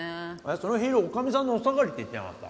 そのヒール女将さんのお下がりって言ってなかった？